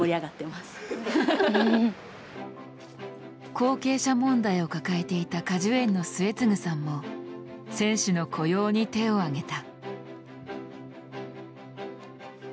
後継者問題を抱えていた果樹園の末次さんも選手の雇用に手を挙げた。